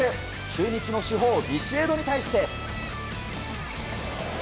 中日の主砲ビシエドに対して。